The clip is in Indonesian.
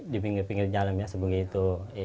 di pinggir pinggir jalan ya sebegitu